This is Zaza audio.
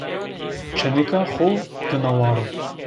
Çenıka xo gına waro.